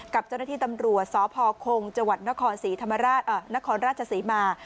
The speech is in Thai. กับเจ้าหน้าที่ตำรวจสพคงจนครราชศรีมา